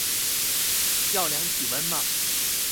要量體溫嗎